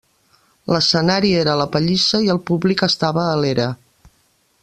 L'escenari era la pallissa i el públic estava a l'era.